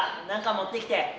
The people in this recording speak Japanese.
何か持ってきて。